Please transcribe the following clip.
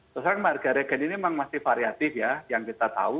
sosoknya harga reagen ini memang masih variatif ya yang kita tahu